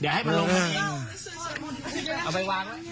เดี๋ยวให้มาลงไป